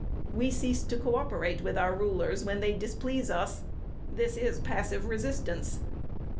We cease to co operate with our rulers when they displease us. This is passive resistance.